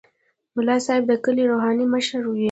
ملا صاحب د کلي روحاني مشر وي.